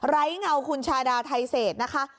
เงาคุณชาดาไทเศษนะคะ